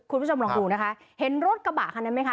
คุณผู้ชมลองดูนะคะเห็นรถกระบะคันนั้นไหมคะ